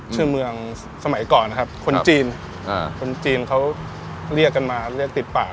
ชื่อเมืองสมัยก่อนนะครับคนจีนคนจีนเขาเรียกกันมาเรียกติดปาก